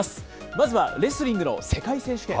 まずはレスリングの世界選手権。